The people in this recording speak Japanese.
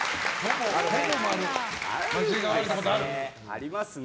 ありますね。